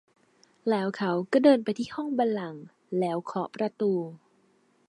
แล้วเขาก็เดินไปที่ห้องบัลลังก์แล้วเคาะประตู